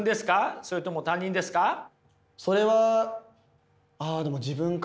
それとも他人ですか？